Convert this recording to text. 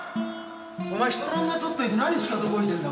お前人の女盗っといて何シカトこいてんだ